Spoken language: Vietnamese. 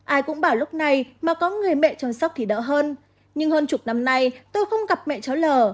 ai cũng bảo lúc này mà có người mẹ chăm sóc thì đỡ hơn nhưng hơn chục năm nay tôi không gặp mẹ cháu lờ